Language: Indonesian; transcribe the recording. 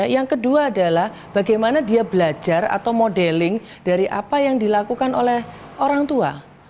yang kedua adalah bagaimana dia belajar atau modeling dari apa yang dilakukan oleh orang tua